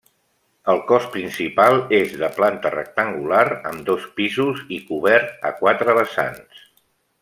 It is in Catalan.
El cos principal és de planta rectangular, amb dos pisos i cobert a quatre vessants.